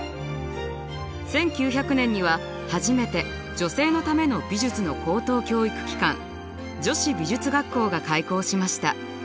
１９００年には初めて女性のための美術の高等教育機関女子美術学校が開校しました。